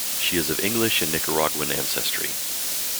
She is of English and Nicaraguan ancestry.